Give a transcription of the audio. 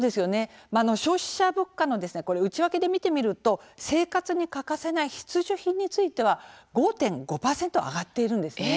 消費者物価の内訳で見てみると生活に欠かせない必需品については５．５％上がっているんです。